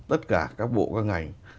tất cả các bộ các ngành